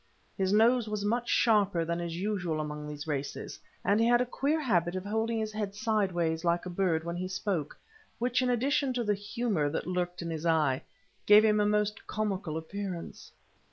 His nose was much sharper than is usual among these races, and he had a queer habit of holding his head sideways like a bird when he spoke, which, in addition to the humour that lurked in his eye, gave him a most comical appearance.